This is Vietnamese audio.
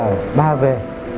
để nó ra về